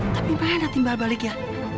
tapi bagaimana timbal balik ya